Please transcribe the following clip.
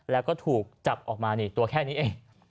แล้วก็ถูกจับออกมานี่ตัวแค่นี้เอง